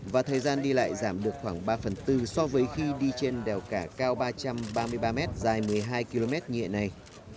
và thời gian đi lại giảm được khoảng ba phần bốn so với khi đi trên đèo cả cao ba trăm ba mươi ba m dài một mươi hai km nhiệt này